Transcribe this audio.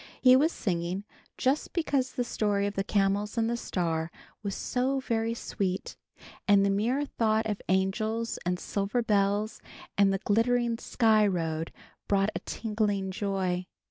He was singing just because the story of the Camels and the Star was so very sweet, and the mere thought of angels and silver bells and the glittering Sky Road brought a tingling joy.